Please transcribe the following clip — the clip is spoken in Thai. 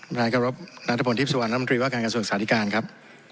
ประทานการรบนัตรภนทิพย์สวรรค์นัตรมนตรีว่าการกระทรวงสถาดิการครับ